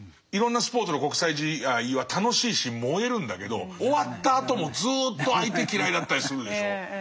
いろんなスポーツの国際試合は楽しいし燃えるんだけど終わったあともずっと相手嫌いだったりするでしょ。